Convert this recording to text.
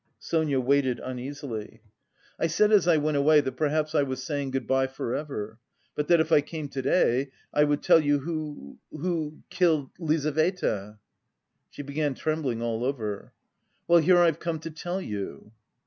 Sonia waited uneasily. "I said as I went away that perhaps I was saying good bye for ever, but that if I came to day I would tell you who... who killed Lizaveta." She began trembling all over. "Well, here I've come to tell you."